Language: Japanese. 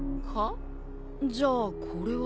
じゃあこれは。